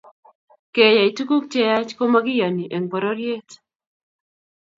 keyai tukuk che yach ko makiyani eng pororiet